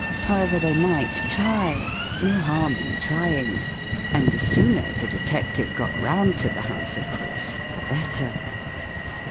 However, they might try ; no harm in trying; and the sooner the detective got round to the house, of course, the better.